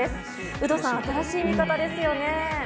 有働さん、新しい見方ですよね。